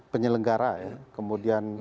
penyelenggara ya kemudian